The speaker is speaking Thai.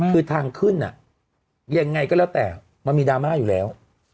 คือทางขึ้นยังไงก็แล้วแต่มันมีดราม่าอยู่แล้ว